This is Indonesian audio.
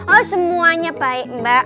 oh semuanya baik mbak